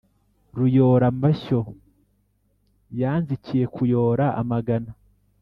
ruyora-mashyo yanzikiye kuyora amagana.